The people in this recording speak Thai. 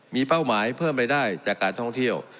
มีเป้าหมายเพิ่มรายได้จากการท่องเที่ยว